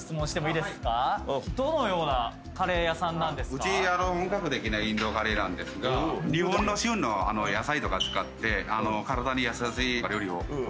うち本格的なインドカレーなんですが日本の旬の野菜とか使って体に優しい料理をご提供。